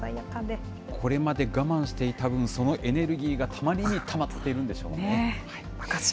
これまで我慢していた分、そのエネルギーがたまりにたまってるんでしょうね。